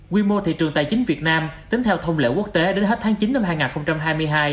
quy mô thị trường tài chính việt nam tính theo thông lệ quốc tế đến hết tháng chín năm hai nghìn hai mươi hai